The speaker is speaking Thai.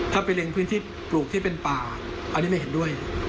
ถ้าไปเล็งพื้นที่ปลูกที่เป็นป่าอันนี้ไม่เห็นด้วย